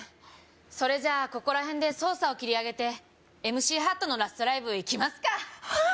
それじゃここらへんで捜査を切り上げてＭＣハートのラストライブ行きますかはい！